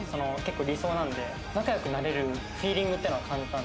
仲良くなれるフィーリングっていうのは感じたんで。